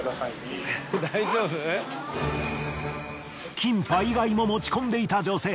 キンパ以外も持ち込んでいた女性。